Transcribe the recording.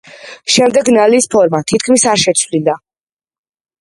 შემდეგ ნალის ფორმა თითქმის არ შეცვლილა.